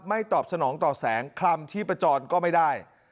ไม่ตอบสนองต่อแสงคล่ำที่ประจอนก็ไม่ได้